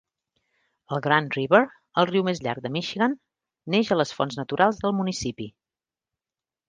El Grand River, el riu més llarg de Michigan, neix a les fonts naturals del municipi.